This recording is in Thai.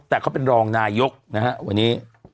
แต่เขาเป็นรองนายกนะฮะวันนี้